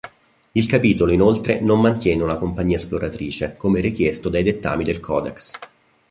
Il Capitolo inoltre non mantiene una Compagnia Esploratrice come richiesto dai dettami del Codex.